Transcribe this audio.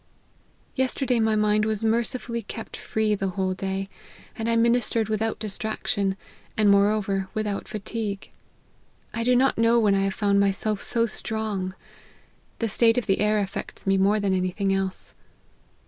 Yesterday my mind was mercifully kept free the whole day : and I ministered without dis traction, and moreover without fatigue. I do not know when I have found myself so strong. The state of the air affects me more than any thing else.